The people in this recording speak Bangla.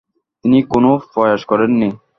তিনি কোনও প্রয়াস করেননি।